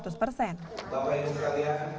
selamat pagi sekalian